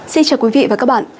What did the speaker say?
xin chào quý vị và các bạn